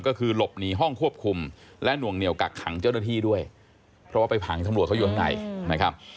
ก็คือหลบหนีห้องควบคุมและหน่วงเหนียวกักขังเจ้าหน้าที่ด้วยเพราะว่าไปผังตำรวจเขาอยู่ข้างในนะครับ